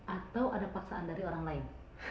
atau ada paksaan dari orang lain